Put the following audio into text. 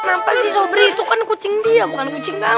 kenapa sih sobri itu kan kucing dia bukan kucing kamu